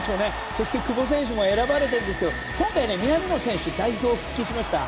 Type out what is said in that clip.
そして久保選手も選ばれたんですけど今回、南野選手が代表復帰しました。